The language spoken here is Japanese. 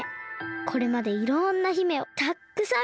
これまでいろんな姫をたっくさんみてきました。